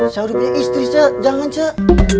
saya udah punya istri cak jangan cak